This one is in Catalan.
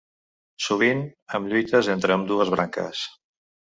Sovint amb lluites entre ambdues branques.